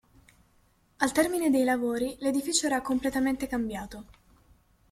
Al termine dei lavori l'edificio era completamente cambiato.